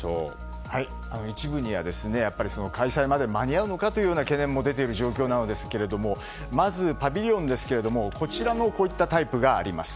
一部には、開催まで間に合うのかという懸念も出ている状況ですがまず、パビリオンですがこういったタイプがあります。